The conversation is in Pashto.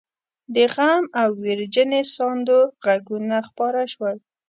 د غم او ويرجنې ساندو غږونه خپاره شول.